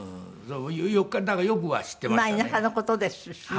だからよくは知っていましたね。